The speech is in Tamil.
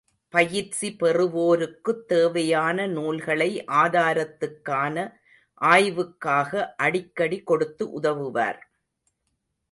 பயிற்சி பெறுவோருக்குத் தேவையான நூல்களை ஆதாரத்துக்கான ஆய்வுக்காக அடிக்கடி கொடுத்து உதவுவார்.